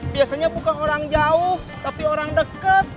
biasanya bukan orang jauh tapi orang dekat